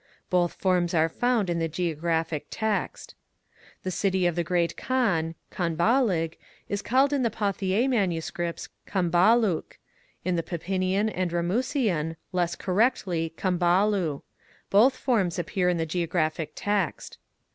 Both forms are found in the Geographic Text. The city of the Great Kaan (Khanbalig) is called in the Pauthier MSS. Cambaluc, in the Pipinian and Ramusian less correctly Cambalu. Both forms appear in the Geographic Text.